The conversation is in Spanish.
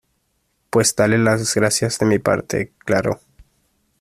pues dale las gracias de mi parte. claro .